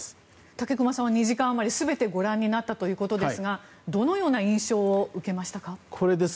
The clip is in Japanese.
武隈さんは２時間余り全てご覧になったということですがどのような印象を受けましたか？